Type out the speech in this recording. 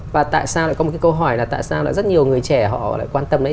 và tại sao lại có một cái câu hỏi là tại sao lại rất nhiều người trẻ họ lại quan tâm đấy